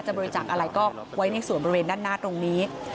บริจาคอะไรก็ไว้ในส่วนบริเวณด้านหน้าตรงนี้